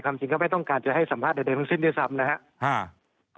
ความจริงก็ไม่ต้องการจะให้สัมภาษณ์แต่เดินทางที่ที่ที่สำนะครับ